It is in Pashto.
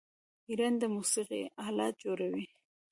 ایران د موسیقۍ الات جوړوي.